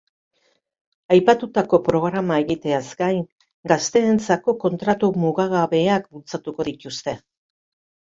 Aipatutako programa egiteaz gain, gazteentzako kontratu mugagabeak bultzatuko dituzte.